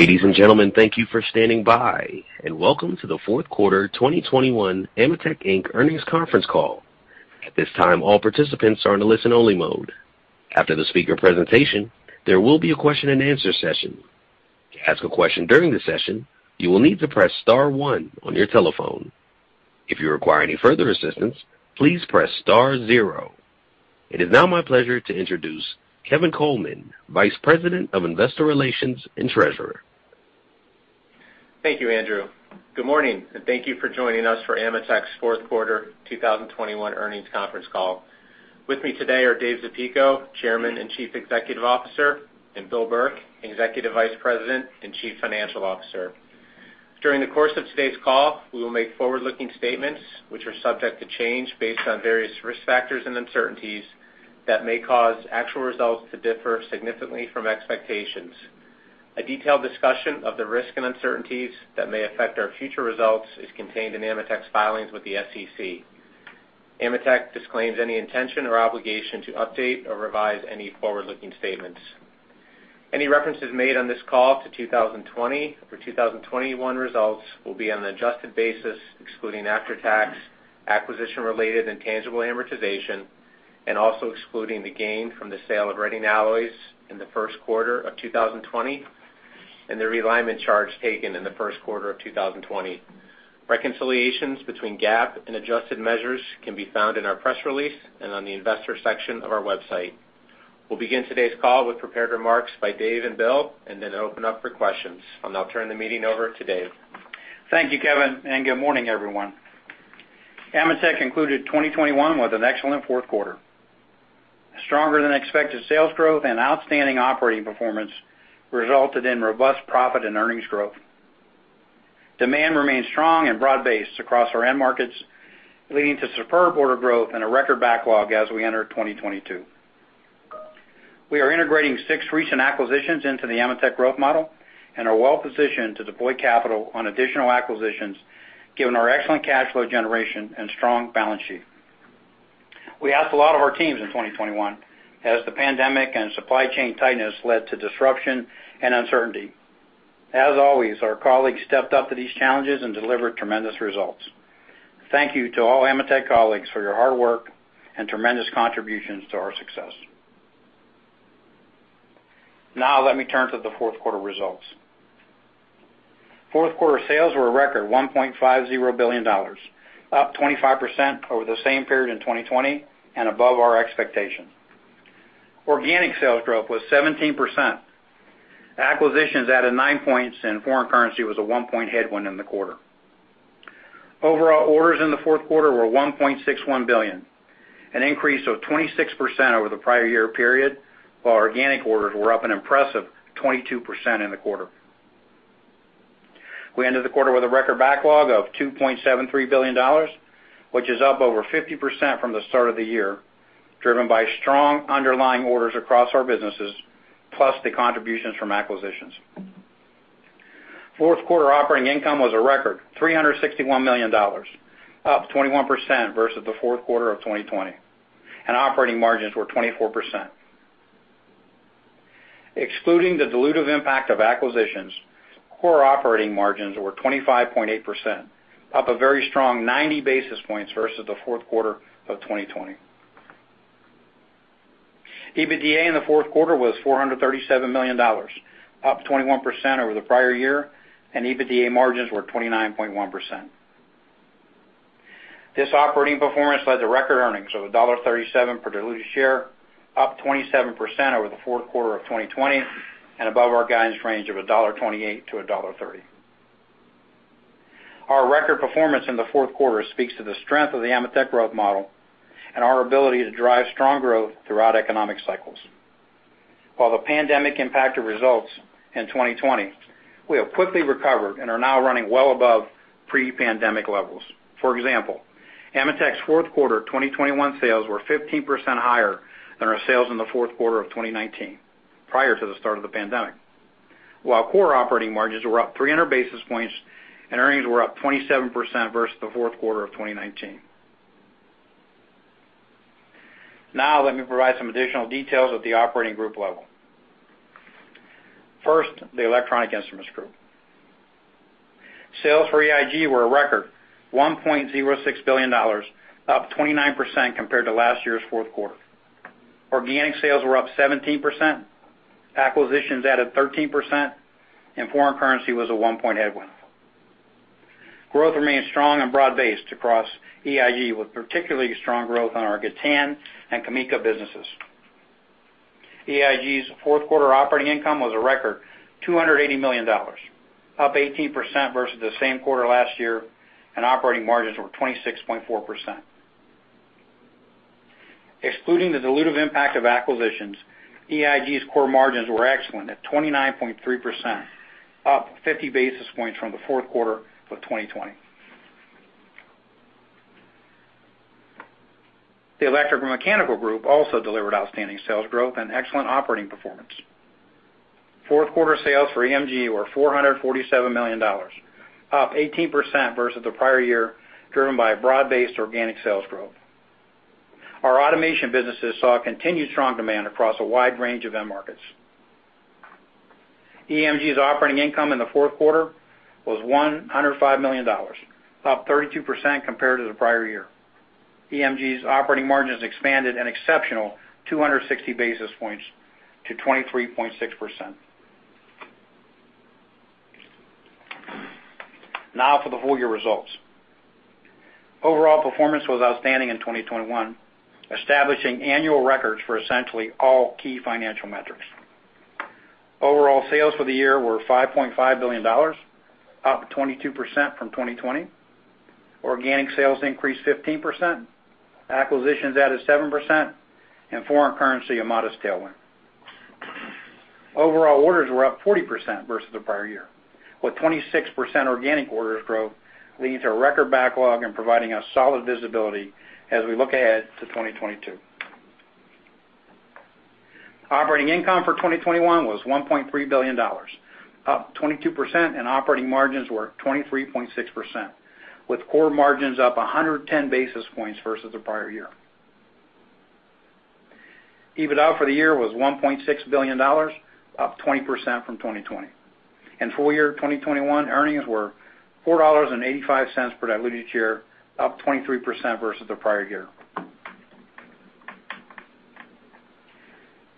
Ladies and gentlemen, thank you for standing by, and welcome to the fourth quarter 2021 AMETEK, Inc earnings conference call. At this time, all participants are in a listen-only mode. After the speaker presentation, there will be a question-and-answer session. To ask a question during the session, you will need to press star one on your telephone. If you require any further assistance, please press star zero. It is now my pleasure to introduce Kevin Coleman, Vice President of Investor Relations and Treasurer. Thank you, Andrew. Good morning, and thank you for joining us for AMETEK's fourth quarter 2021 earnings conference call. With me today are Dave Zapico, Chairman and Chief Executive Officer, and Bill Burke, Executive Vice President and Chief Financial Officer. During the course of today's call, we will make forward-looking statements which are subject to change based on various risk factors and uncertainties that may cause actual results to differ significantly from expectations. A detailed discussion of the risk and uncertainties that may affect our future results is contained in AMETEK's filings with the SEC. AMETEK disclaims any intention or obligation to update or revise any forward-looking statements. Any references made on this call to 2020 or 2021 results will be on an adjusted basis, excluding after-tax, acquisition-related, and tangible amortization, and also excluding the gain from the sale of Reading Alloys in the first quarter of 2020, and the realignment charge taken in the first quarter of 2020. Reconciliations between GAAP and adjusted measures can be found in our press release and on the investor section of our website. We'll begin today's call with prepared remarks by Dave and Bill, and then open up for questions. I'll now turn the meeting over to Dave. Thank you, Kevin, and good morning, everyone. AMETEK concluded 2021 with an excellent fourth quarter. Stronger than expected sales growth and outstanding operating performance resulted in robust profit and earnings growth. Demand remains strong and broad-based across our end markets, leading to superb order growth and a record backlog as we enter 2022. We are integrating six recent acquisitions into the AMETEK growth model and are well positioned to deploy capital on additional acquisitions, given our excellent cash flow generation and strong balance sheet. We asked a lot of our teams in 2021 as the pandemic and supply chain tightness led to disruption and uncertainty. As always, our colleagues stepped up to these challenges and delivered tremendous results. Thank you to all AMETEK colleagues for your hard work and tremendous contributions to our success. Now let me turn to the fourth quarter results. Fourth quarter sales were a record $1.50 billion, up 25% over the same period in 2020 and above our expectations. Organic sales growth was 17%. Acquisitions added nine points, and foreign currency was a one-point headwind in the quarter. Overall orders in the fourth quarter were $1.61 billion, an increase of 26% over the prior year period, while organic orders were up an impressive 22% in the quarter. We ended the quarter with a record backlog of $2.73 billion, which is up over 50% from the start of the year, driven by strong underlying orders across our businesses, plus the contributions from acquisitions. Fourth quarter operating income was a record $361 million, up 21% versus the fourth quarter of 2020, and operating margins were 24%. Excluding the dilutive impact of acquisitions, core operating margins were 25.8%, up a very strong 90 basis points versus the fourth quarter of 2020. EBITDA in the fourth quarter was $437 million, up 21% over the prior year, and EBITDA margins were 29.1%. This operating performance led to record earnings of $1.37 per diluted share, up 27% over the fourth quarter of 2020 and above our guidance range of $1.28-$1.30. Our record performance in the fourth quarter speaks to the strength of the AMETEK growth model and our ability to drive strong growth throughout economic cycles. While the pandemic impacted results in 2020, we have quickly recovered and are now running well above pre-pandemic levels. For example, AMETEK's fourth quarter 2021 sales were 15% higher than our sales in the fourth quarter of 2019, prior to the start of the pandemic, while core operating margins were up 300 basis points and earnings were up 27% versus the fourth quarter of 2019. Now let me provide some additional details at the operating group level. First, the Electronic Instruments Group. Sales for EIG were a record $1.06 billion, up 29% compared to last year's fourth quarter. Organic sales were up 17%, acquisitions added 13%, and foreign currency was a 1% headwind. Growth remains strong and broad-based across EIG, with particularly strong growth on our Gatan and CAMECA businesses. EIG's fourth quarter operating income was a record $280 million, up 18% versus the same quarter last year, and operating margins were 26.4%. Excluding the dilutive impact of acquisitions, EIG's core margins were excellent at 29.3%, up 50 basis points from the fourth quarter of 2020. The Electrical and Mechanical Group also delivered outstanding sales growth and excellent operating performance. Fourth quarter sales for EMG were $447 million, up 18% versus the prior year, driven by a broad-based organic sales growth. Our automation businesses saw continued strong demand across a wide range of end markets. EMG's operating income in the fourth quarter was $105 million, up 32% compared to the prior year. EMG's operating margins expanded an exceptional 260 basis points to 23.6%. Now for the whole year results. Overall performance was outstanding in 2021, establishing annual records for essentially all key financial metrics. Overall sales for the year were $5.5 billion, up 22% from 2020. Organic sales increased 15%. Acquisitions added 7%, and foreign currency, a modest tailwind. Overall orders were up 40% versus the prior year, with 26% organic orders growth led to a record backlog and providing us solid visibility as we look ahead to 2022. Operating income for 2021 was $1.3 billion, up 22%, and operating margins were 23.6%, with core margins up 110 basis points versus the prior year. EBITDA for the year was $1.6 billion, up 20% from 2020. Full year 2021 earnings were $4.85 per diluted share, up 23% versus the prior year.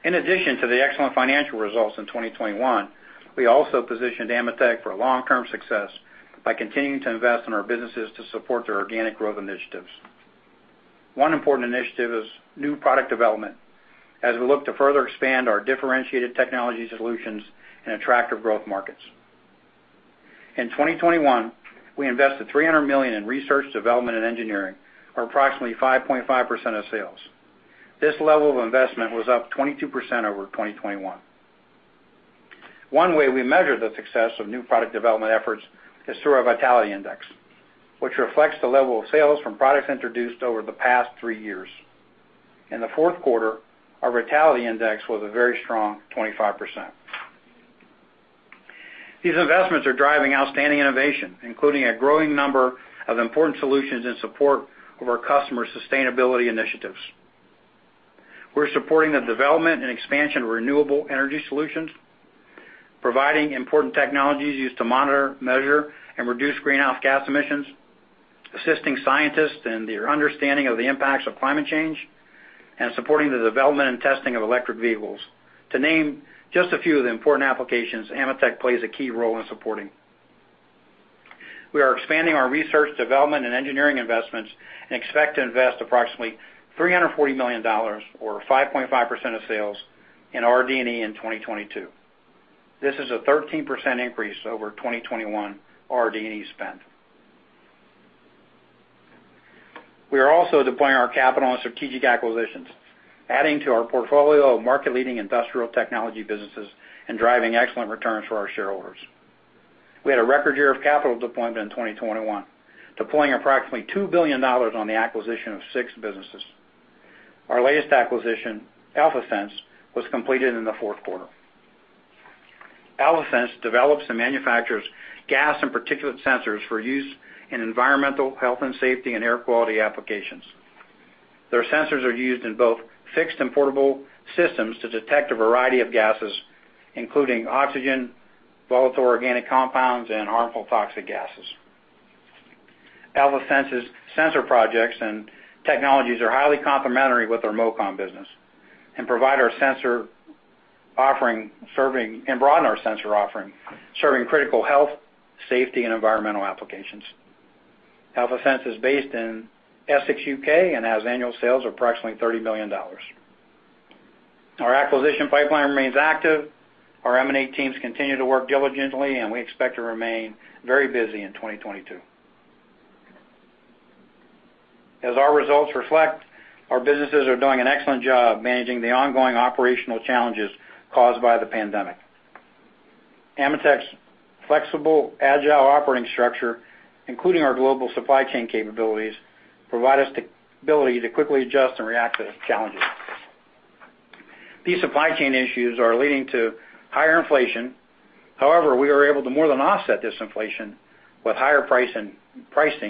In addition to the excellent financial results in 2021, we also positioned AMETEK for long-term success by continuing to invest in our businesses to support their organic growth initiatives. One important initiative is new product development as we look to further expand our differentiated technology solutions in attractive growth markets. In 2021, we invested $300 million in research, development, and engineering, or approximately 5.5% of sales. This level of investment was up 22% over 2020. One way we measure the success of new product development efforts is through our vitality index, which reflects the level of sales from products introduced over the past three years. In the fourth quarter, our vitality index was a very strong 25%. These investments are driving outstanding innovation, including a growing number of important solutions in support of our customers' sustainability initiatives. We're supporting the development and expansion of renewable energy solutions, providing important technologies used to monitor, measure, and reduce greenhouse gas emissions, assisting scientists in their understanding of the impacts of climate change, and supporting the development and testing of electric vehicles, to name just a few of the important applications AMETEK plays a key role in supporting. We are expanding our research, development, and engineering investments and expect to invest approximately $340 million, or 5.5% of sales, in RD&E in 2022. This is a 13% increase over 2021 RD&E spend. We are also deploying our capital in strategic acquisitions, adding to our portfolio of market-leading industrial technology businesses and driving excellent returns for our shareholders. We had a record year of capital deployment in 2021, deploying approximately $2 billion on the acquisition of six businesses. Our latest acquisition, Alphasense, was completed in the fourth quarter. Alphasense develops and manufactures gas and particulate sensors for use in environmental, health and safety, and air quality applications. Their sensors are used in both fixed and portable systems to detect a variety of gases, including oxygen, volatile organic compounds, and harmful toxic gases. Alphasense's sensor projects and technologies are highly complementary with our MOCON business and provide and broaden our sensor offering, serving critical health, safety, and environmental applications. Alphasense is based in Essex, U.K., and has annual sales of approximately $30 million. Our acquisition pipeline remains active. Our M&A teams continue to work diligently, and we expect to remain very busy in 2022. As our results reflect, our businesses are doing an excellent job managing the ongoing operational challenges caused by the pandemic. AMETEK's flexible, agile operating structure, including our global supply chain capabilities, provide us the ability to quickly adjust and react to challenges. These supply chain issues are leading to higher inflation. However, we are able to more than offset this inflation with higher pricing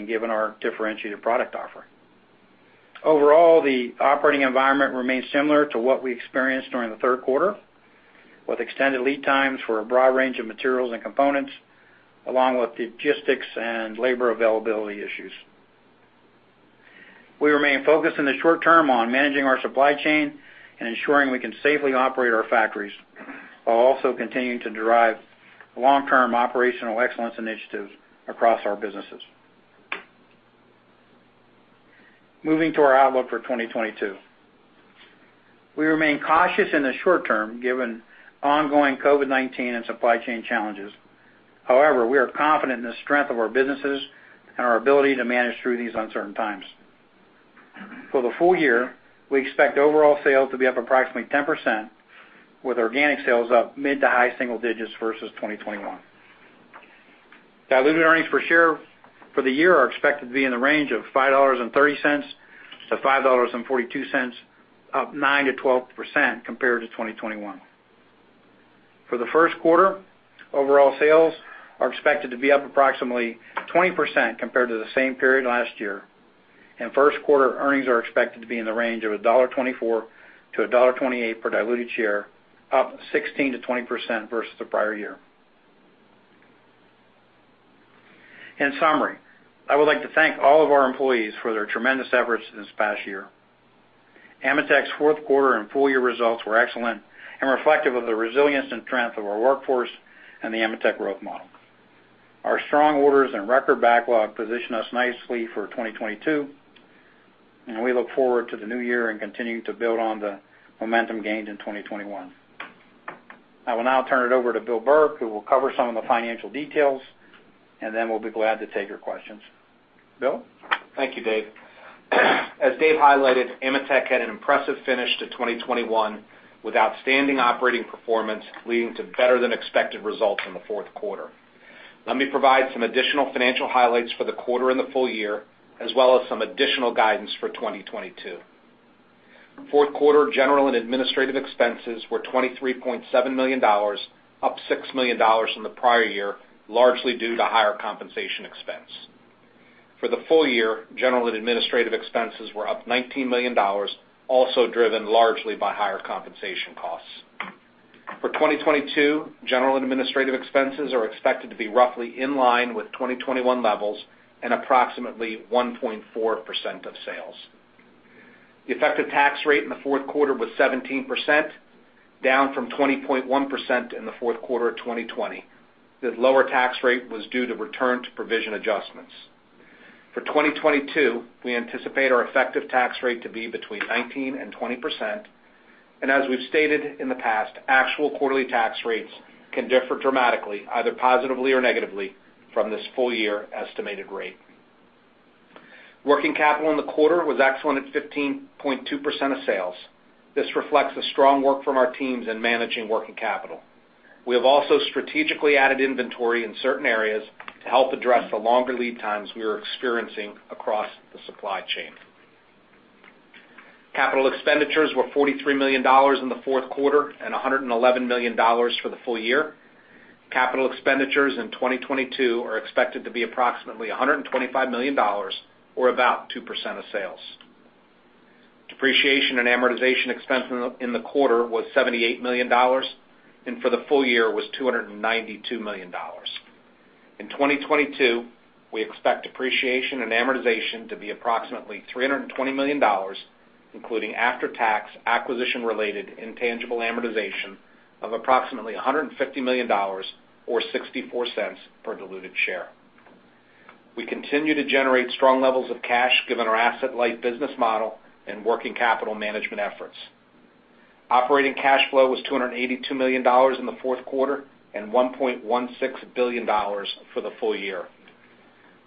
given our differentiated product offering. Overall, the operating environment remains similar to what we experienced during the third quarter, with extended lead times for a broad range of materials and components, along with logistics and labor availability issues. We remain focused in the short term on managing our supply chain and ensuring we can safely operate our factories, while also continuing to drive long-term operational excellence initiatives across our businesses. Moving to our outlook for 2022. We remain cautious in the short term given ongoing COVID-19 and supply chain challenges. However, we are confident in the strength of our businesses and our ability to manage through these uncertain times. For the full year, we expect overall sales to be up approximately 10%, with organic sales up mid to high single digits versus 2021. Diluted earnings per share for the year are expected to be in the range of $5.30-$5.42, up 9%-12% compared to 2021. For the first quarter, overall sales are expected to be up approximately 20% compared to the same period last year, and first quarter earnings are expected to be in the range of $1.24-$1.28 per diluted share, up 16%-20% versus the prior year. In summary, I would like to thank all of our employees for their tremendous efforts this past year. AMETEK's fourth quarter and full year results were excellent and reflective of the resilience and strength of our workforce and the AMETEK growth model. Our strong orders and record backlog position us nicely for 2022, and we look forward to the new year and continuing to build on the momentum gained in 2021. I will now turn it over to Bill Burke, who will cover some of the financial details, and then we'll be glad to take your questions. Bill? Thank you, Dave. As Dave highlighted, AMETEK had an impressive finish to 2021, with outstanding operating performance leading to better than expected results in the fourth quarter. Let me provide some additional financial highlights for the quarter and the full year, as well as some additional guidance for 2022. Fourth quarter general and administrative expenses were $23.7 million, up $6 million from the prior year, largely due to higher compensation expense. For the full year, general and administrative expenses were up $19 million, also driven largely by higher compensation costs. For 2022, general and administrative expenses are expected to be roughly in line with 2021 levels and approximately 1.4% of sales. The effective tax rate in the fourth quarter was 17%, down from 20.1% in the fourth quarter of 2020. The lower tax rate was due to return to provision adjustments. For 2022, we anticipate our effective tax rate to be between 19%-20%, and as we've stated in the past, actual quarterly tax rates can differ dramatically, either positively or negatively, from this full year estimated rate. Working capital in the quarter was excellent at 15.2% of sales. This reflects the strong work from our teams in managing working capital. We have also strategically added inventory in certain areas to help address the longer lead times we are experiencing across the supply chain. Capital expenditures were $43 million in the fourth quarter and $111 million for the full year. Capital expenditures in 2022 are expected to be approximately $125 million or about 2% of sales. Depreciation and amortization expense in the quarter was $78 million, and for the full year was $292 million. In 2022, we expect depreciation and amortization to be approximately $320 million, including after-tax acquisition-related intangible amortization of approximately $150 million or $0.64 per diluted share. We continue to generate strong levels of cash given our asset-light business model and working capital management efforts. Operating cash flow was $282 million in the fourth quarter and $1.16 billion for the full year.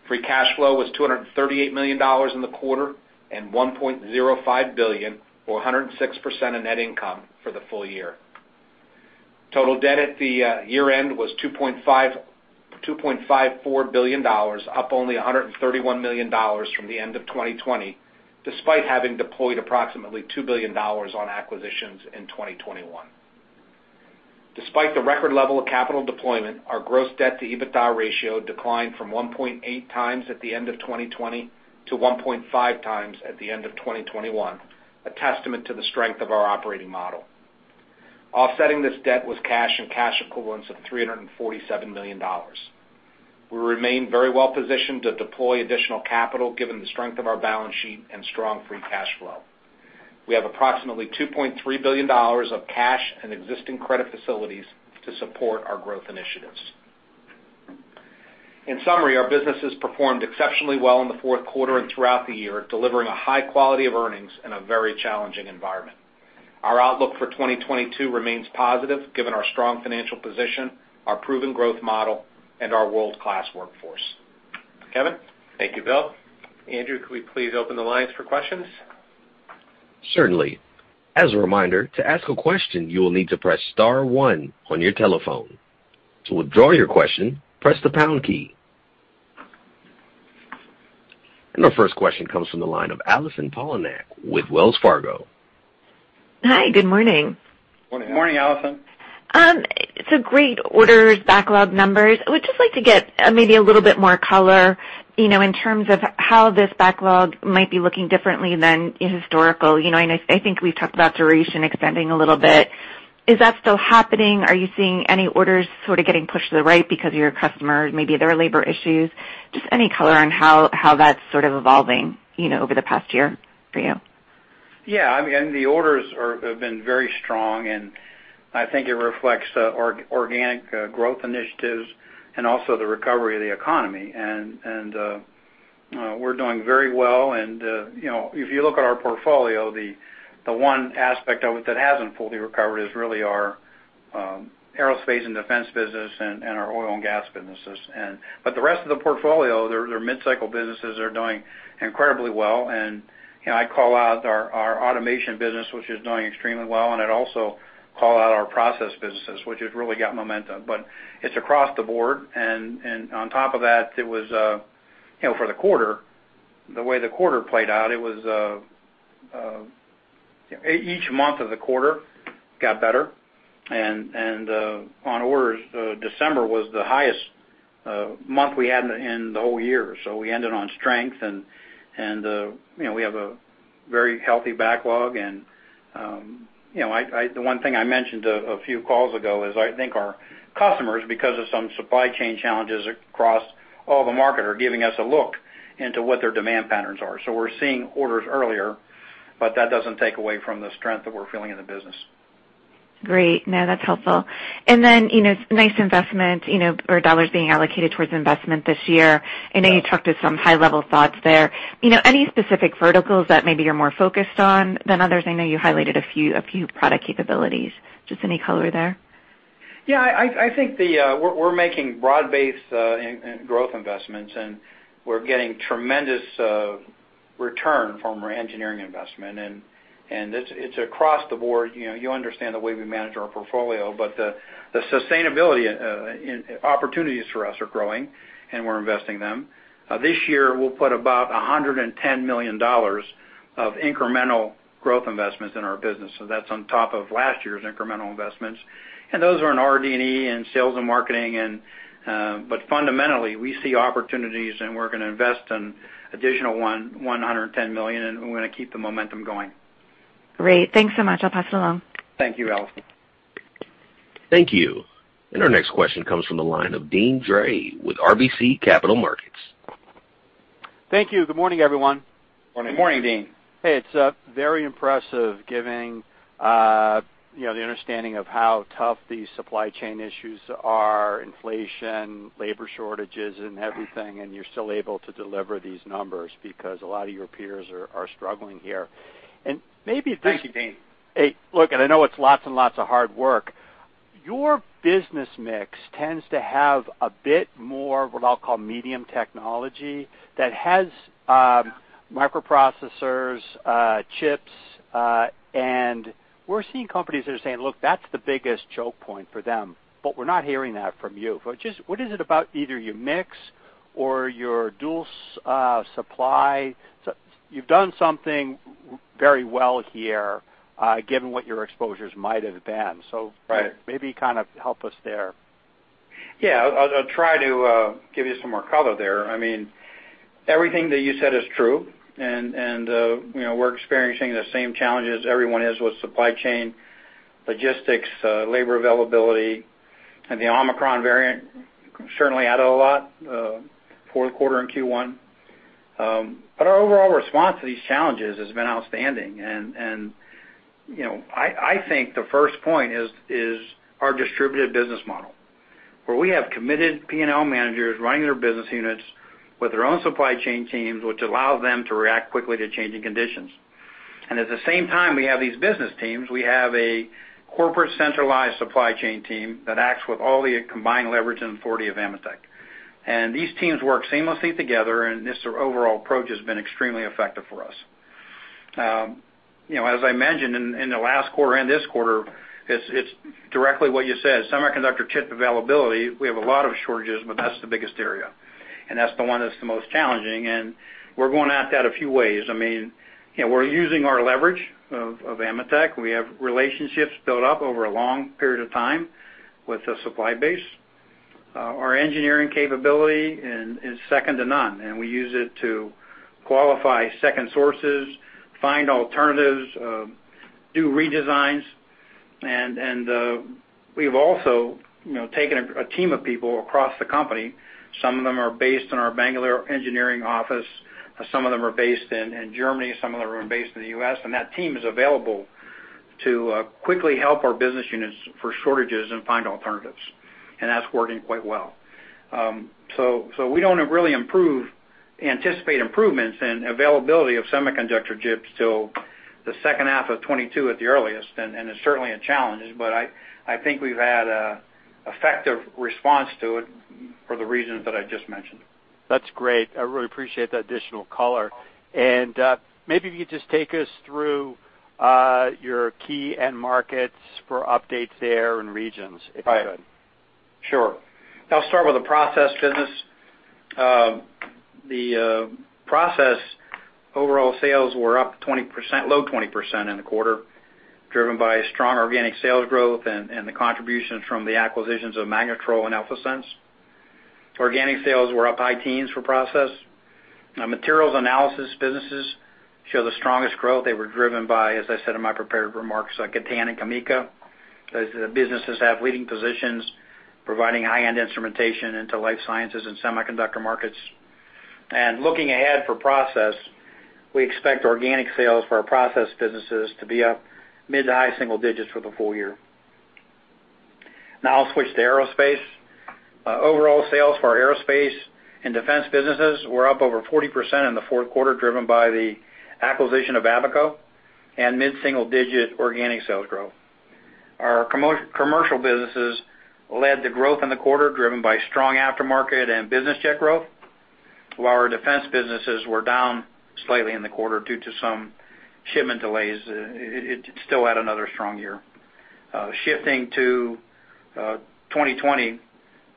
Free cash flow was $238 million in the quarter and $1.05 billion, or 106% of net income, for the full year. Total debt at the year-end was $2.54 billion, up only $131 million from the end of 2020, despite having deployed approximately $2 billion on acquisitions in 2021. Despite the record level of capital deployment, our gross debt-to-EBITDA ratio declined from 1.8x at the end of 2020 to 1.5x at the end of 2021, a testament to the strength of our operating model. Offsetting this debt was cash and cash equivalents of $347 million. We remain very well positioned to deploy additional capital given the strength of our balance sheet and strong free cash flow. We have approximately $2.3 billion of cash and existing credit facilities to support our growth initiatives. In summary, our businesses performed exceptionally well in the fourth quarter and throughout the year, delivering a high quality of earnings in a very challenging environment. Our outlook for 2022 remains positive given our strong financial position, our proven growth model, and our world-class workforce. Kevin? Thank you, Bill. Andrew, could we please open the lines for questions? Certainly. As a reminder, to ask a question, you will need to press star one on your telephone. To withdraw your question, press the pound key. Our first question comes from the line of Allison Poliniak with Wells Fargo. Hi. Good morning. Morning. Morning, Allison. Great orders, backlog numbers. I would just like to get maybe a little bit more color, you know, in terms of how this backlog might be looking differently than historical, you know, and I think we've talked about duration extending a little bit. Is that still happening? Are you seeing any orders sort of getting pushed to the right because of your customers, maybe their labor issues? Just any color on how that's sort of evolving, you know, over the past year for you. Yeah. I mean, the orders have been very strong, and I think it reflects organic growth initiatives and also the recovery of the economy. We're doing very well, you know, if you look at our portfolio, the one aspect of it that hasn't fully recovered is really our aerospace and defense business and our oil and gas businesses. The rest of the portfolio, their mid-cycle businesses are doing incredibly well. You know, I call out our automation business, which is doing extremely well, and I'd also call out our process businesses, which has really got momentum. It's across the board, on top of that, you know, for the quarter, the way the quarter played out, it was each month of the quarter got better. On orders, December was the highest month we had in the whole year. We ended on strength, you know, we have a very healthy backlog. You know, the one thing I mentioned a few calls ago is I think our customers, because of some supply chain challenges across all the market, are giving us a look into what their demand patterns are. We're seeing orders earlier, but that doesn't take away from the strength that we're feeling in the business. Great. No, that's helpful. Then, you know, nice investment, you know, or dollars being allocated towards investment this year. Yeah. I know you talked to some high level thoughts there. You know, any specific verticals that maybe you're more focused on than others? I know you highlighted a few product capabilities. Just any color there? Yeah. I think we're making broad-based investment growth investments, and we're getting tremendous return from our engineering investment. It's across the board. You know, you understand the way we manage our portfolio, but the sustainability opportunities for us are growing, and we're investing them. This year, we'll put about $110 million of incremental growth investments in our business. So that's on top of last year's incremental investments. Those are in RD&E and sales and marketing. Fundamentally, we see opportunities, and we're gonna invest an additional $110 million, and we're gonna keep the momentum going. Great. Thanks so much. I'll pass it along. Thank you, Allison. Thank you. Our next question comes from the line of Deane Dray with RBC Capital Markets. Thank you. Good morning, everyone. Morning, Deane. Hey, it's very impressive, given, you know, the understanding of how tough these supply chain issues are, inflation, labor shortages and everything, and you're still able to deliver these numbers because a lot of your peers are struggling here. Maybe- Thanks, Deane. Hey, look, I know it's lots and lots of hard work. Your business mix tends to have a bit more, what I'll call medium technology that has microprocessors, chips, and we're seeing companies that are saying, look, that's the biggest choke point for them, but we're not hearing that from you. Just what is it about either your mix or your dual sourcing? You've done something very well here, given what your exposures might have been. Right. Maybe kind of help us there. Yeah. I'll try to give you some more color there. I mean, everything that you said is true. You know, we're experiencing the same challenges everyone is with supply chain logistics, labor availability. The Omicron variant certainly added a lot, fourth quarter and Q1. Our overall response to these challenges has been outstanding. You know, I think the first point is our distributed business model, where we have committed P&L managers running their business units with their own supply chain teams, which allows them to react quickly to changing conditions. At the same time, we have these business teams, we have a corporate centralized supply chain team that acts with all the combined leverage and authority of AMETEK. These teams work seamlessly together, and this overall approach has been extremely effective for us. You know, as I mentioned in the last quarter and this quarter, it's directly what you said. Semiconductor chip availability, we have a lot of shortages, but that's the biggest area, and that's the one that's the most challenging. We're going at that a few ways. I mean, you know, we're using our leverage of AMETEK. We have relationships built up over a long period of time with the supply base. Our engineering capability is second to none, and we use it to qualify second sources, find alternatives, do redesigns. We've also, you know, taken a team of people across the company. Some of them are based in our Bangalore engineering office, some of them are based in Germany, some of them are based in the U.S. That team is available to quickly help our business units for shortages and find alternatives, and that's working quite well. We don't really anticipate improvements in availability of semiconductor chips till the second half of 2022 at the earliest. It's certainly a challenge, but I think we've had a effective response to it for the reasons that I just mentioned. That's great. I really appreciate the additional color. Maybe if you could just take us through your key end markets for updates there and regions, if you could. Sure. I'll start with the process business. The process overall sales were up 20%, low 20% in the quarter, driven by strong organic sales growth and the contributions from the acquisitions of Magnetrol and Alphasense. Organic sales were up high teens for process. Now materials analysis businesses show the strongest growth. They were driven by, as I said in my prepared remarks, like Gatan and CAMECA. Those businesses have leading positions providing high-end instrumentation into life sciences and semiconductor markets. Looking ahead for process, we expect organic sales for our process businesses to be up mid- to high-single digits for the full year. Now I'll switch to aerospace. Overall sales for our aerospace and defense businesses were up over 40% in the fourth quarter, driven by the acquisition of Abaco and mid-single-digit organic sales growth. Our commercial businesses led the growth in the quarter, driven by strong aftermarket and business jet growth. While our defense businesses were down slightly in the quarter due to some shipment delays, it still had another strong year. Shifting to 2022.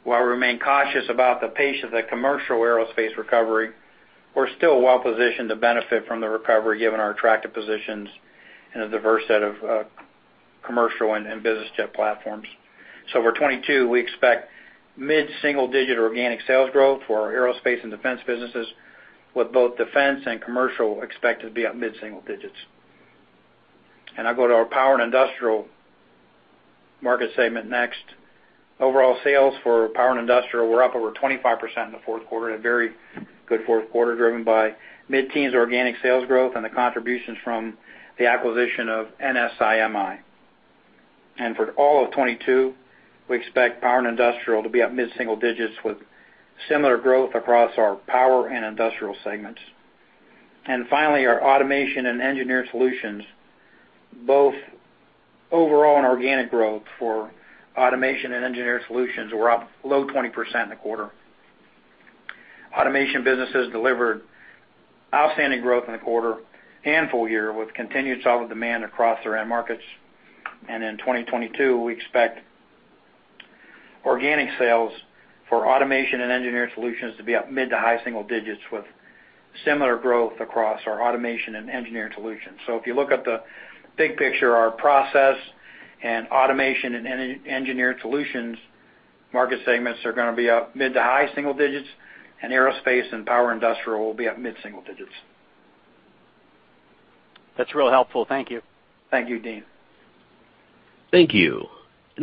While we remain cautious about the pace of the commercial aerospace recovery, we're still well-positioned to benefit from the recovery given our attractive positions in a diverse set of commercial and business jet platforms. For 2022, we expect mid-single-digit organic sales growth for our aerospace and defense businesses, with both defense and commercial expected to be up mid-single digits. I'll go to our power and industrial market segment next. Overall sales for power and industrial were up over 25% in the fourth quarter, a very good fourth quarter, driven by mid-teens organic sales growth and the contributions from the acquisition of NSI-MI. For all of 2022, we expect power and industrial to be up mid-single digits, with similar growth across our power and industrial segments. Finally, our automation and engineered solutions, both overall and organic growth for automation and engineered solutions were up low 20% in the quarter. Automation businesses delivered outstanding growth in the quarter and full year, with continued solid demand across their end markets. In 2022, we expect organic sales for automation and engineered solutions to be up mid- to high-single digits, with similar growth across our automation and engineered solutions. If you look at the big picture, our process and automation and engineered solutions market segments are gonna be up mid- to high-single digits, and aerospace and power & industrial will be at mid-single digits. That's real helpful. Thank you. Thank you, Deane. Thank you.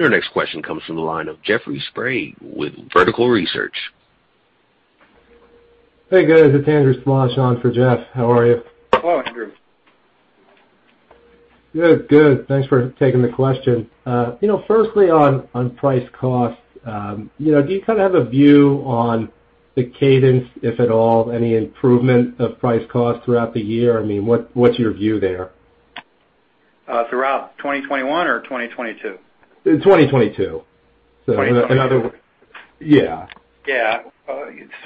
Our next question comes from the line of Jeffrey Sprague with Vertical Research. Hey, guys. It's Andrew on for Jeff. How are you? Hello, Andrew. Good. Thanks for taking the question. You know, firstly, on price costs, you know, do you kind of have a view on the cadence, if at all, any improvement of price costs throughout the year? I mean, what's your view there? Throughout 2021 or 2022? In 2022. 2022. Yeah. Yeah.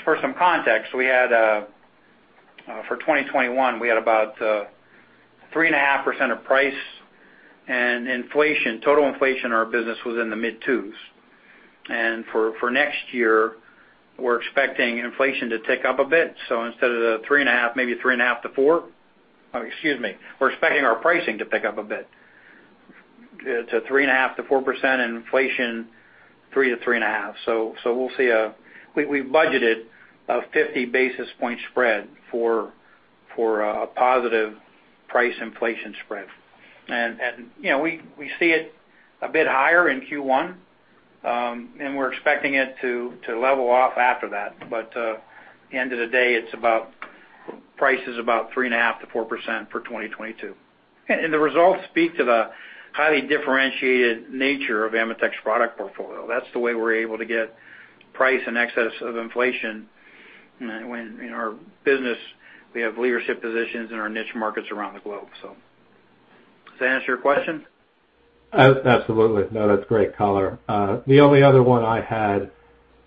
For some context, we had about 3.5% of price and inflation for 2021. Total inflation in our business was in the mid-2s. For next year, we're expecting inflation to tick up a bit. Instead of the 3.5%, maybe 3.5%-4%. Oh, excuse me. We're expecting our pricing to pick up a bit to 3.5%-4%, and inflation 3%-3.5%. We'll see a positive price inflation spread. We budgeted a 50 basis point spread for a positive price inflation spread. You know, we see it a bit higher in Q1, and we're expecting it to level off after that. End of the day, it's about price is about 3.5%-4% for 2022. The results speak to the highly differentiated nature of AMETEK's product portfolio. That's the way we're able to get price in excess of inflation when in our business we have leadership positions in our niche markets around the globe. Does that answer your question? Absolutely. No, that's great color. The only other one I had,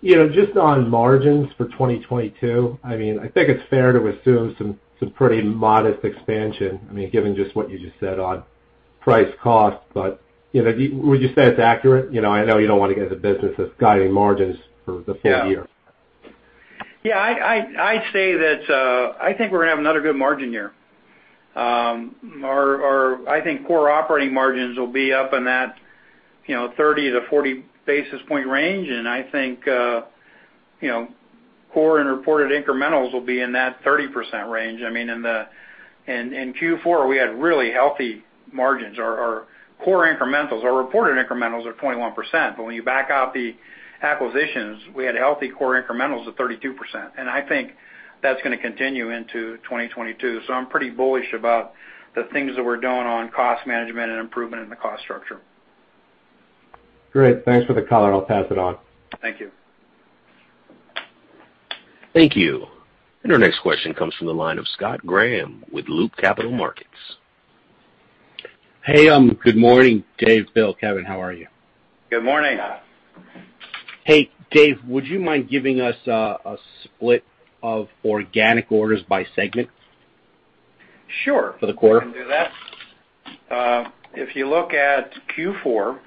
you know, just on margins for 2022, I mean, I think it's fair to assume some pretty modest expansion, I mean, given just what you just said on price cost. You know, would you say it's accurate? You know, I know you don't wanna get into business with guiding margins for the full year. Yeah. Yeah, I'd say that I think we're gonna have another good margin year. Our I think core operating margins will be up in that, you know, 30-40 basis point range. I think, you know, core and reported incrementals will be in that 30% range. I mean, in Q4, we had really healthy margins. Our core incrementals, our reported incrementals are 21%. When you back out the acquisitions, we had healthy core incrementals of 32%, and I think that's gonna continue into 2022. I'm pretty bullish about the things that we're doing on cost management and improvement in the cost structure. Great. Thanks for the color. I'll pass it on. Thank you. Thank you. Our next question comes from the line of Scott Graham with Loop Capital Markets. Hey, good morning, Dave, Bill, Kevin. How are you? Good morning. Hey, Dave, would you mind giving us a split of organic orders by segment? Sure For the quarter? I can do that. If you look at Q4,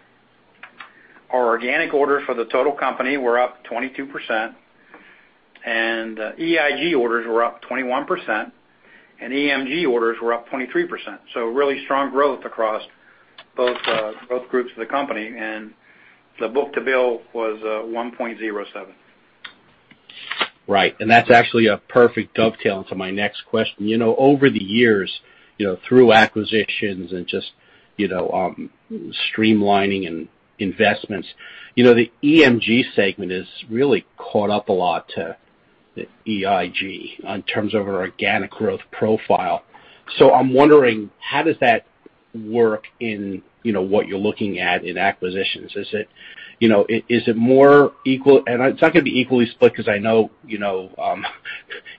our organic orders for the total company were up 22%, and EIG orders were up 21%, and EMG orders were up 23%. Really strong growth across both groups of the company. The book to bill was 1.07. Right. That's actually a perfect dovetail into my next question. You know, over the years, you know, through acquisitions and just, you know, streamlining and investments, you know, the EMG segment has really caught up a lot to the EIG in terms of organic growth profile. I'm wondering, how does that work in, you know, what you're looking at in acquisitions? Is it, you know, is it more equal? It's not gonna be equally split, because I know, you know,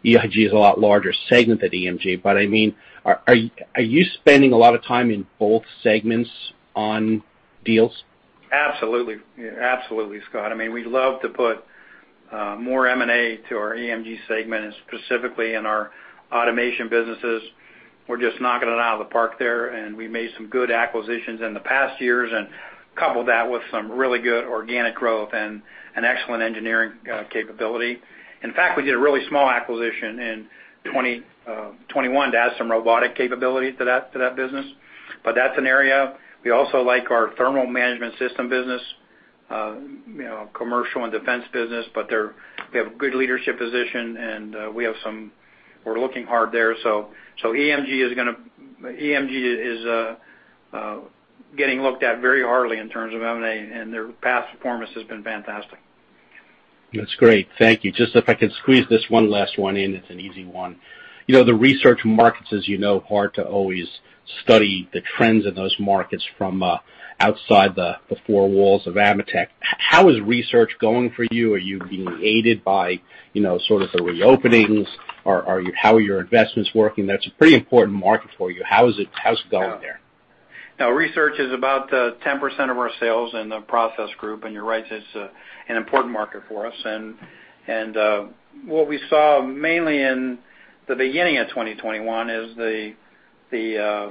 EIG is a lot larger segment than EMG. I mean, are you spending a lot of time in both segments on deals? Absolutely, Scott. I mean, we love to put more M&A to our EMG segment and specifically in our automation businesses. We're just knocking it out of the park there, and we made some good acquisitions in the past years and coupled that with some really good organic growth and an excellent engineering capability. In fact, we did a really small acquisition in 2021 to add some robotic capability to that business, but that's an area. We also like our thermal management system business, you know, commercial and defense business. They have a good leadership position, and we're looking hard there. EMG is getting looked at very hard in terms of M&A, and their past performance has been fantastic. That's great. Thank you. Just if I could squeeze this one last one in, it's an easy one. You know, the research markets, as you know, hard to always study the trends in those markets from outside the four walls of AMETEK. How is research going for you? Are you being aided by, you know, sort of the reopenings? How are your investments working? That's a pretty important market for you. How is it? How's it going there? Yeah. Now research is about 10% of our sales in the process group. You're right, it's an important market for us. What we saw mainly in the beginning of 2021 is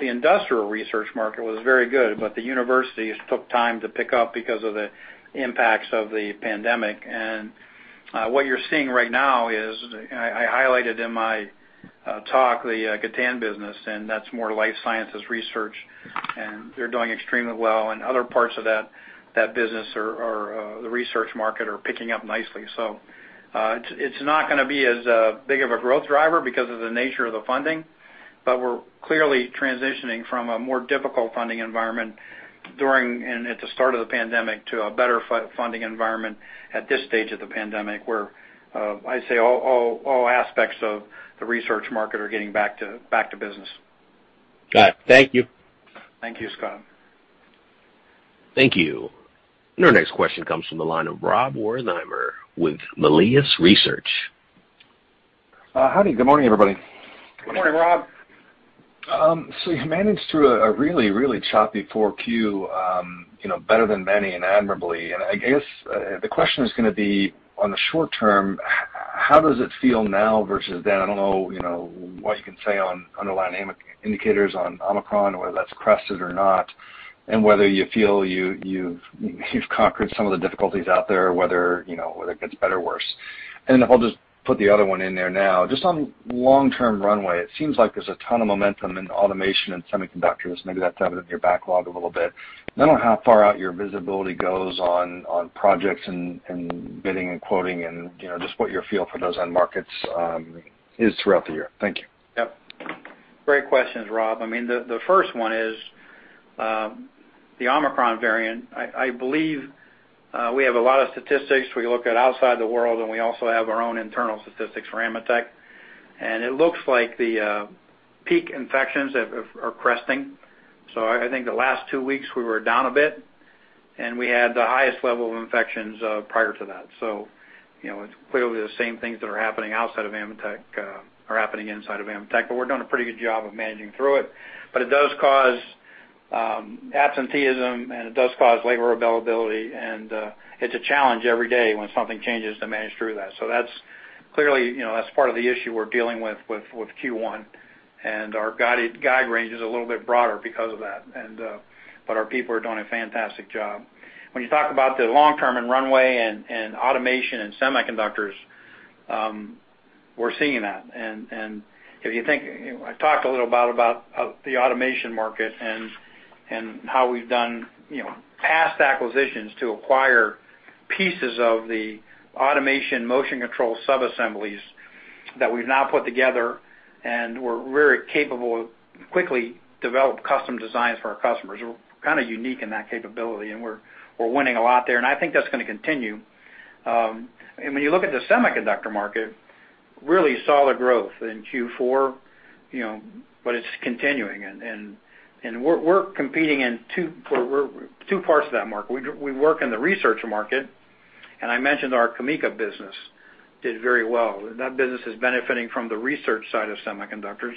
the industrial research market was very good, but the universities took time to pick up because of the impacts of the pandemic. What you're seeing right now is I highlighted in my talk the Gatan business, and that's more life sciences research, and they're doing extremely well, and other parts of that business are the research market are picking up nicely. It's not gonna be as big of a growth driver because of the nature of the funding, but we're clearly transitioning from a more difficult funding environment during and at the start of the pandemic to a better funding environment at this stage of the pandemic, where I'd say all aspects of the research market are getting back to business. Got it. Thank you. Thank you, Scott. Thank you. Our next question comes from the line of Rob Wertheimer with Melius Research. Howdy, good morning, everybody. Good morning, Rob. You managed through a really choppy Q4, you know, better than many and admirably. I guess the question is gonna be on the short term, how does it feel now versus then? I don't know, you know, what you can say on underlying demand indicators on Omicron, whether that's crested or not, and whether you feel you've conquered some of the difficulties out there, whether, you know, whether it gets better or worse. If I'll just put the other one in there now, just on long-term runway, it seems like there's a ton of momentum in automation and semiconductors. Maybe that's evident in your backlog a little bit. I don't know how far out your visibility goes on projects and bidding and quoting and, you know, just what your feel for those end markets is throughout the year. Thank you. Yep. Great questions, Rob. I mean, the first one is the Omicron variant. I believe we have a lot of statistics we look at in the outside world, and we also have our own internal statistics for AMETEK. It looks like the peak infections are cresting. I think the last two weeks we were down a bit, and we had the highest level of infections prior to that. You know, it's clearly the same things that are happening outside of AMETEK are happening inside of AMETEK, but we're doing a pretty good job of managing through it. It does cause absenteeism, and it does cause labor availability. It's a challenge every day when something changes to manage through that. That's clearly part of the issue we're dealing with with Q1. Our guidance range is a little bit broader because of that. But our people are doing a fantastic job. When you talk about the long-term and runway and automation and semiconductors, we're seeing that. If you think, you know, I talked a little about the automation market and how we've done, you know, past acquisitions to acquire pieces of the automation motion control subassemblies that we've now put together, and we're very capable of quickly develop custom designs for our customers. We're kind of unique in that capability, and we're winning a lot there, and I think that's gonna continue. When you look at the semiconductor market, really solid growth in Q4, you know, but it's continuing. We're competing in two parts of that market. We work in the research market, and I mentioned our CAMECA business did very well. That business is benefiting from the research side of semiconductors.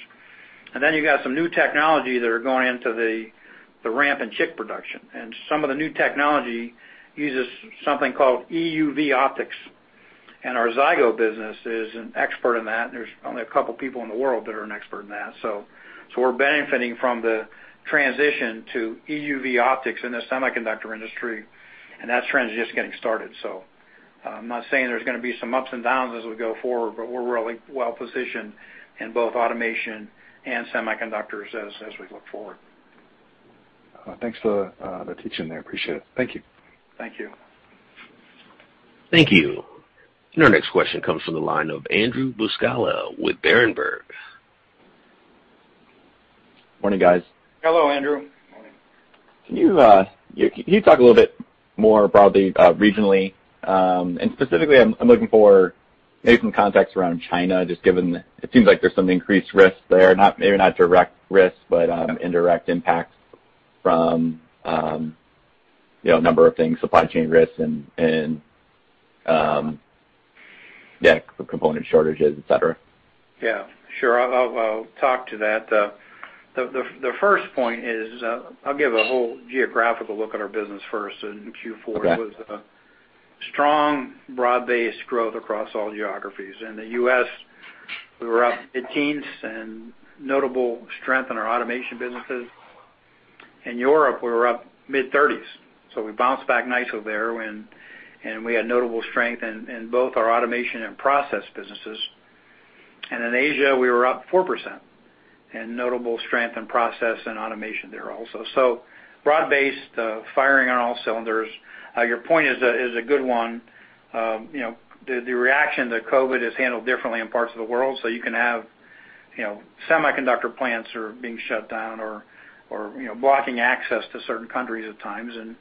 You've got some new technology that are going into the ramp in chip production. Some of the new technology uses something called EUV optics, and our Zygo business is an expert in that, and there's only a couple people in the world that are an expert in that. We're benefiting from the transition to EUV optics in the semiconductor industry, and that trend is just getting started. I'm not saying there's gonna be some ups and downs as we go forward, but we're really well positioned in both automation and semiconductors as we look forward. Thanks for the teaching there. I appreciate it. Thank you. Thank you. Thank you. Our next question comes from the line of Andrew Buscaglia with Berenberg. Morning, guys. Hello, Andrew. Morning. Can you talk a little bit more broadly, regionally, and specifically, I'm looking for maybe some context around China, just given it seems like there's some increased risk there. Maybe not direct risk, but indirect impacts from, you know, a number of things, supply chain risks and Yeah, for component shortages, et cetera. Yeah, sure. I'll talk to that. The first point is, I'll give a whole geographical look at our business first in Q4. Okay. It was a strong broad-based growth across all geographies. In the U.S., we were up 18%, with notable strength in our automation businesses. In Europe, we were up mid-30s%, so we bounced back nicely there and we had notable strength in both our automation and process businesses. In Asia, we were up 4%, with notable strength in process and automation there also. Broad-based, firing on all cylinders. Your point is a good one. You know, the reaction to COVID is handled differently in parts of the world, so you can have, you know, semiconductor plants being shut down or blocking access to certain countries at times, and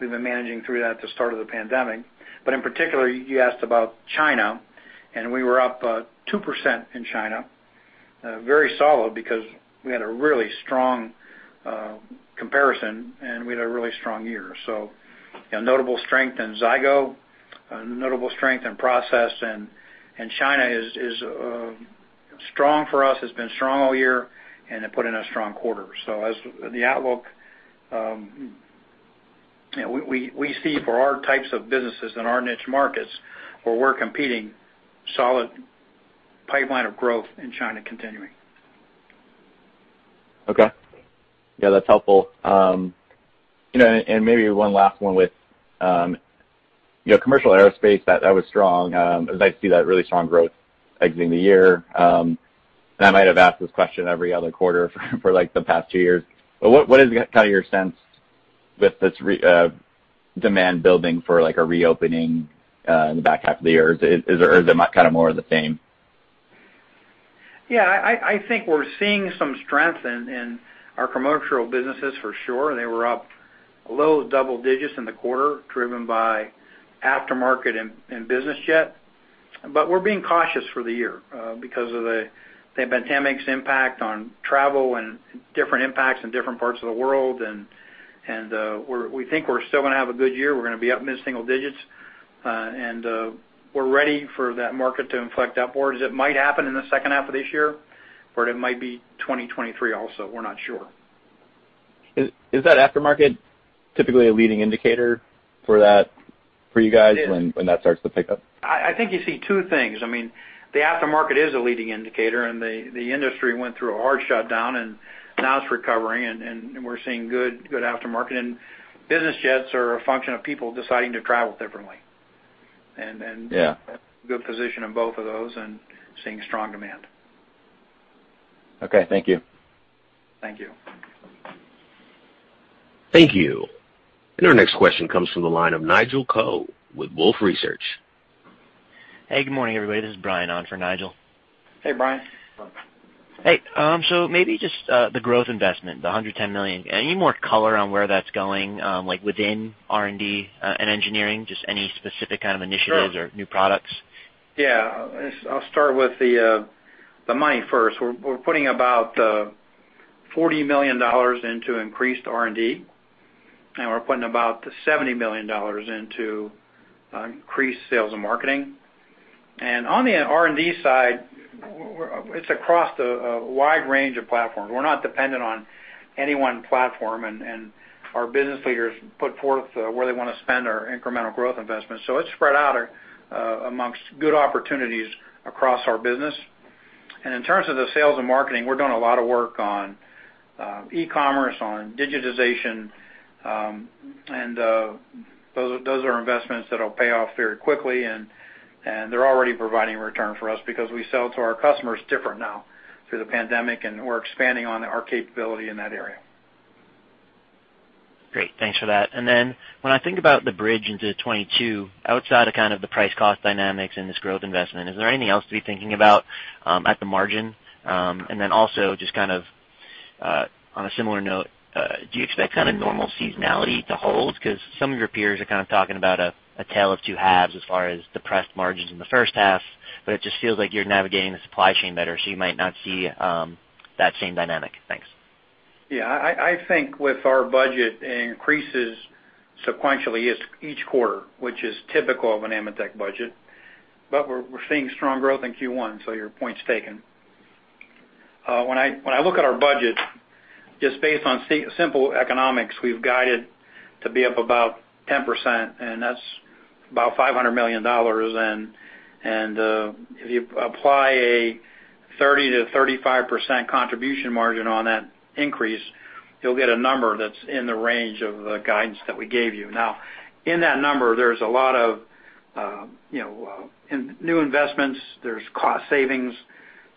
we've been managing through that at the start of the pandemic. In particular, you asked about China, and we were up 2% in China. Very solid because we had a really strong comparison, and we had a really strong year. You know, notable strength in Zygo, notable strength in process, and China is strong for us, has been strong all year, and it put in a strong quarter. As the outlook, you know, we see for our types of businesses in our niche markets where we're competing, solid pipeline of growth in China continuing. Okay. Yeah, that's helpful. You know, maybe one last one with, you know, commercial aerospace, that was strong. As I see that really strong growth exiting the year. I might have asked this question every other quarter for like the past two years, but what is kind of your sense with this demand building for like a reopening in the back half of the year? Is it or is it kind of more of the same? Yeah. I think we're seeing some strength in our commercial businesses for sure. They were up low double digits in the quarter, driven by aftermarket and business jet. We're being cautious for the year, because of the pandemic's impact on travel and different impacts in different parts of the world. We think we're still gonna have a good year. We're gonna be up mid-single digits. We're ready for that market to inflect upwards. It might happen in the second half of this year, but it might be 2023 also. We're not sure. Is that aftermarket typically a leading indicator for that for you guys? It is. When that starts to pick up? I think you see two things. I mean, the aftermarket is a leading indicator, and the industry went through a hard shutdown, and now it's recovering and we're seeing good aftermarket. Business jets are a function of people deciding to travel differently. Yeah. Good position on both of those and seeing strong demand. Okay. Thank you. Thank you. Thank you. Our next question comes from the line of Nigel Coe with Wolfe Research. Hey, good morning, everybody. This is Brian on for Nigel. Hey, Brian. Hey. Maybe just the growth investment, $110 million. Any more color on where that's going, like within R&D and engineering? Just any specific kind of initiatives. Sure. New products? Yeah. I'll start with the money first. We're putting about $40 million into increased R&D, and we're putting about $70 million into increased sales and marketing. On the R&D side, it's across a wide range of platforms. We're not dependent on any one platform, and our business leaders put forth where they wanna spend our incremental growth investments. It's spread out amongst good opportunities across our business. In terms of the sales and marketing, we're doing a lot of work on e-commerce, on digitization, and those are investments that'll pay off very quickly and they're already providing return for us because we sell to our customers differently now through the pandemic, and we're expanding on our capability in that area. Great. Thanks for that. When I think about the bridge into 2022, outside of kind of the price cost dynamics and this growth investment, is there anything else to be thinking about at the margin? Also just kind of on a similar note, do you expect kind of normal seasonality to hold? 'Cause some of your peers are kind of talking about a tale of two halves as far as depressed margins in the first half, but it just feels like you're navigating the supply chain better, so you might not see that same dynamic. Thanks. Yeah. I think with our budget, it increases sequentially each quarter, which is typical of an AMETEK budget. We're seeing strong growth in Q1, so your point's taken. When I look at our budget, just based on simple economics, we've guided to be up about 10%, and that's about $500 million. If you apply a 30%-35% contribution margin on that increase, you'll get a number that's in the range of the guidance that we gave you. Now, in that number, there's a lot of, you know, new investments, there's cost savings,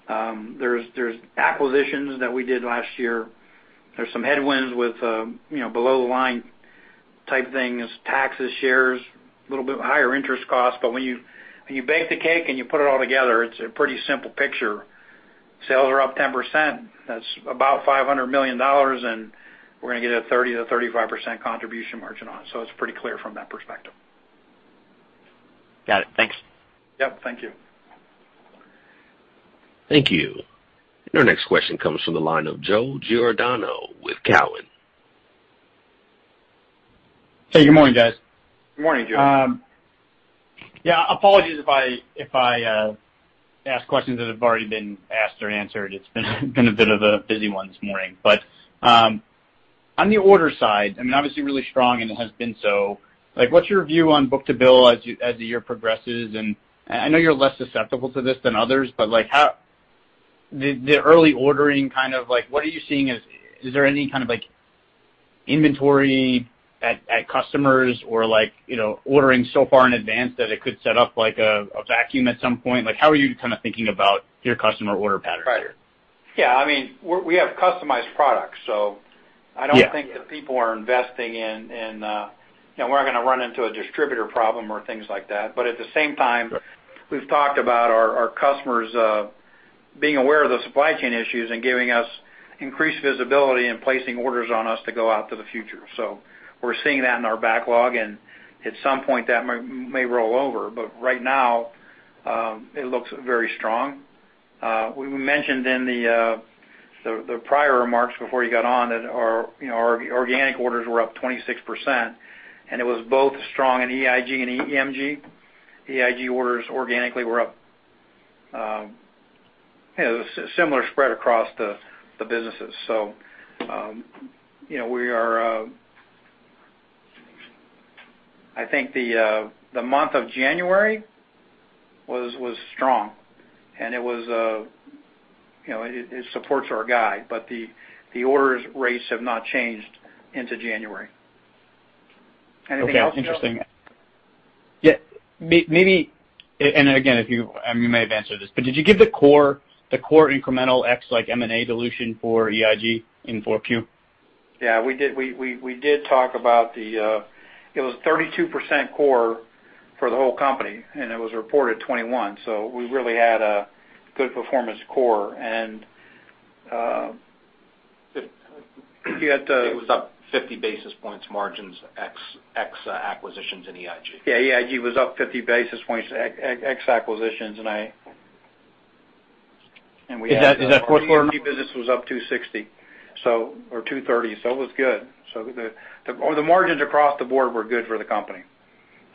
there's acquisitions that we did last year. There's some headwinds with, you know, below the line type things, taxes, shares, a little bit higher interest costs. When you bake the cake and you put it all together, it's a pretty simple picture. Sales are up 10%. That's about $500 million, and we're gonna get a 30%-35% contribution margin on it. It's pretty clear from that perspective. Got it. Thanks. Yep. Thank you. Thank you. Our next question comes from the line of Joe Giordano with Cowen. Hey, good morning, guys. Good morning, Joe. Yeah, apologies if I ask questions that have already been asked or answered. It's been a bit of a busy one this morning. On the order side, I mean, obviously really strong and it has been so. Like, what's your view on book-to-bill as the year progresses? I know you're less susceptible to this than others, but like, how the early ordering kind of, like, what are you seeing as. Is there any kind of, like, inventory at customers or, like, you know, ordering so far in advance that it could set up like a vacuum at some point? Like, how are you kind of thinking about your customer order patterns here? Right. Yeah, I mean, we have customized products, so Yeah. I don't think that people are investing in. You know, we're not gonna run into a distributor problem or things like that. At the same time- Right. We've talked about our customers being aware of the supply chain issues and giving us increased visibility and placing orders on us to go out to the future. We're seeing that in our backlog, and at some point, that may roll over. Right now, it looks very strong. We mentioned in the prior remarks before you got on that our organic orders were up 26%, and it was both strong in EIG and EMG. EIG orders organically were up, you know, similar spread across the businesses. You know, we are. I think the month of January was strong, and it supports our guide, but the order rates have not changed into January. Anything else, Joe? Okay, interesting. Yeah, maybe. Again, if you, I mean, you may have answered this, but did you give the core incremental ex like M&A dilution for EIG in 4Q? Yeah, we did. We did talk about the. It was 32% core for the whole company, and it was reported 21%, so we really had a good performance core. It was up 50 basis points margins ex acquisitions in EIG. Yeah, EIG was up 50 basis points ex acquisitions, and we had- Is that fourth quarter? Our EMG business was up 230, so it was good. The margins across the board were good for the company.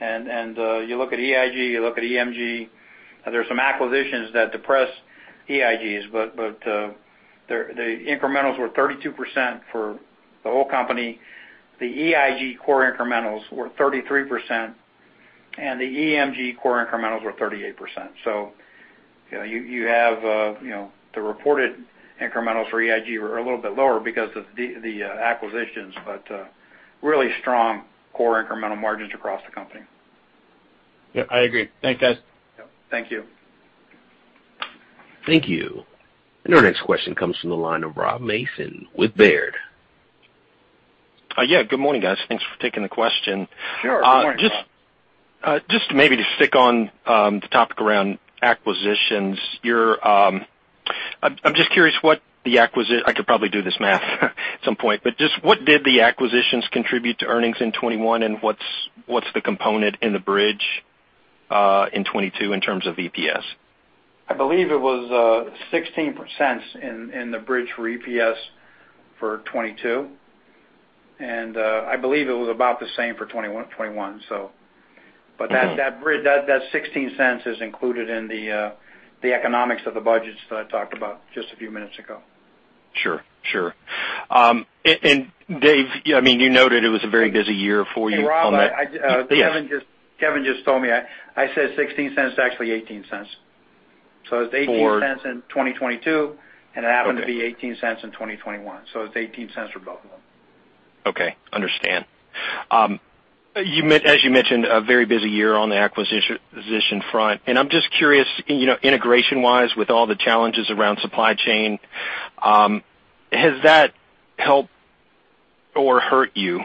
You look at EIG, you look at EMG, there's some acquisitions that depress EIGs, but the incrementals were 32% for the whole company. The EIG core incrementals were 33%, and the EMG core incrementals were 38%. You know, you have, you know, the reported incrementals for EIG were a little bit lower because of the acquisitions, but really strong core incremental margins across the company. Yep, I agree. Thanks, guys. Yep, thank you. Thank you. Our next question comes from the line of Rob Mason with Baird. Yeah, good morning, guys. Thanks for taking the question. Sure. Good morning, Rob. Just maybe to stick on the topic around acquisitions. I'm just curious. I could probably do this math at some point, but just what did the acquisitions contribute to earnings in 2021, and what's the component in the bridge in 2022 in terms of EPS? I believe it was 16 cents in the bridge for EPS for 2022, and I believe it was about the same for 2021, so. That bridge, that $0.16 is included in the economics of the budgets that I talked about just a few minutes ago. Sure, sure. Dave, yeah, I mean, you noted it was a very busy year for you on the- Rob, I. Yes. Kevin just told me I said $0.16. It's actually $0.18. It's $0.18. For. In 2022, and it happened. Okay To be $0.18 in 2021, so it's $0.18 for both of them. Okay, I understand. As you mentioned, a very busy year on the acquisition front, and I'm just curious, you know, integration-wise, with all the challenges around supply chain, has that helped or hurt you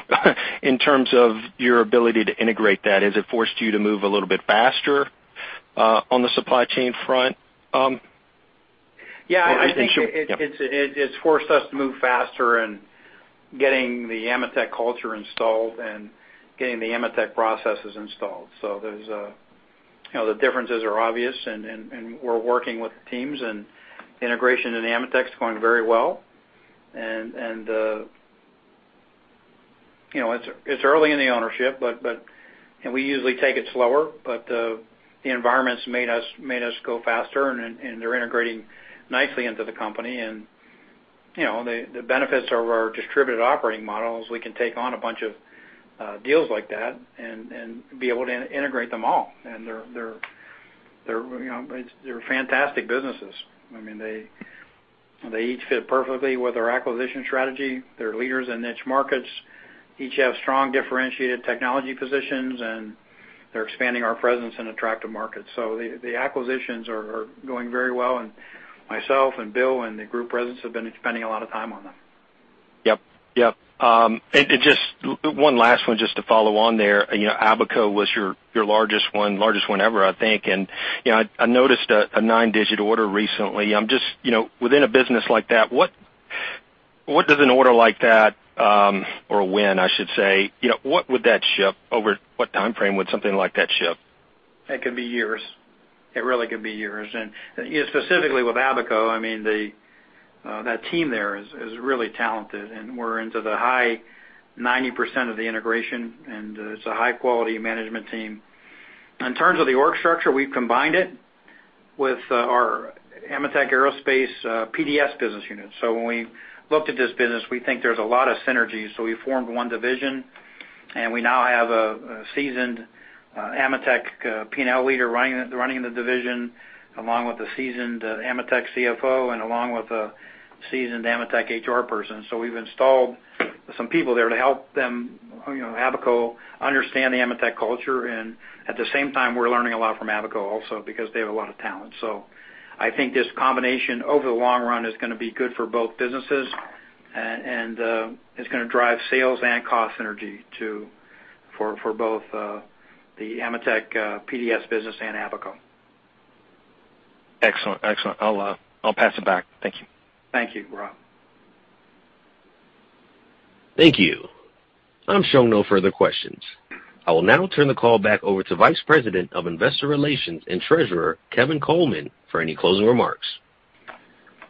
in terms of your ability to integrate that? Has it forced you to move a little bit faster on the supply chain front? Yeah, I think. I assume. Yep. It's forced us to move faster in getting the AMETEK culture installed and getting the AMETEK processes installed. You know, the differences are obvious and we're working with teams, and integration in AMETEK is going very well. You know, it's early in the ownership, but we usually take it slower, but the environment's made us go faster and they're integrating nicely into the company. You know, the benefits of our distributed operating model is we can take on a bunch of deals like that and be able to integrate them all. You know, they're fantastic businesses. I mean, they each fit perfectly with our acquisition strategy. They're leaders in niche markets, each have strong differentiated technology positions, and they're expanding our presence in attractive markets. The acquisitions are going very well, and myself and Bill and the group presidents have been spending a lot of time on them. Yep. Yep. Just one last one just to follow on there. You know, Abaco was your largest one ever, I think. You know, I noticed a nine-digit order recently. I'm just you know, within a business like that, what does an order like that or a win, I should say, you know, what would that ship? Over what timeframe would something like that ship? It could be years. It really could be years. You know, specifically with Abaco, I mean, that team there is really talented, and we're into the high 90% of the integration, and it's a high quality management team. In terms of the org structure, we've combined it with our AMETEK Aerospace PDS business unit. When we looked at this business, we think there's a lot of synergies, so we formed one division, and we now have a seasoned AMETEK P&L leader running the division, along with a seasoned AMETEK CFO and along with a seasoned AMETEK HR person. We've installed some people there to help them, you know, Abaco understand the AMETEK culture, and at the same time, we're learning a lot from Abaco also because they have a lot of talent. I think this combination over the long run is gonna be good for both businesses and it's gonna drive sales and cost synergy for both the AMETEK PDS business and Abaco. Excellent. I'll pass it back. Thank you. Thank you, Rob. Thank you. I'm showing no further questions. I will now turn the call back over to Vice President of Investor Relations and Treasurer, Kevin Coleman, for any closing remarks.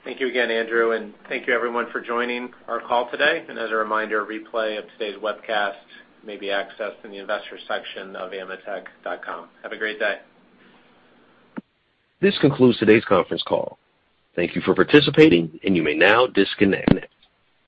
Thank you again, Andrew, and thank you everyone for joining our call today. As a reminder, a replay of today's webcast may be accessed in the Investor section of ametek.com. Have a great day. This concludes today's conference call. Thank you for participating, and you may now disconnect.